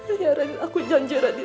iya radit aku janji radit